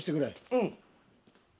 うん。